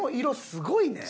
すごいね。